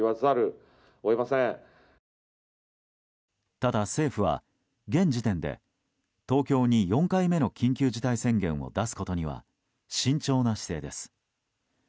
ただ政府は現時点で東京に４回目の緊急事態宣言を出すことには慎重な姿勢です。